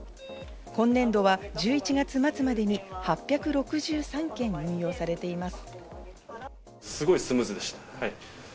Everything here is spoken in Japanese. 今年度は１１月末までに８６３件運用されています。